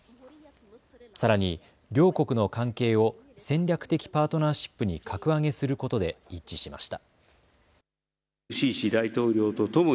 さらに両国の関係を戦略的パートナーシップに格上げすることで一致しました。